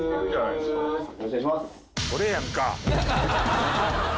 「よろしくお願いします」